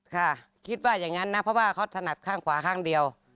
ค่ะคิดว่าอย่างนั้นนะเพราะว่าเขาถนัดข้างขวาข้างเดียว